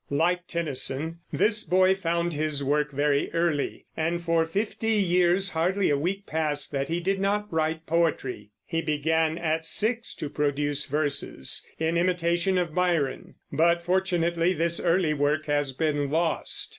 Like Tennyson, this boy found his work very early, and for fifty years hardly a week passed that he did not write poetry. He began at six to produce verses, in imitation of Byron; but fortunately this early work has been lost.